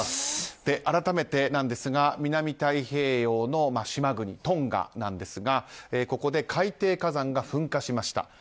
改めてですが南太平洋の島国トンガですがここで海底火山が噴火しました。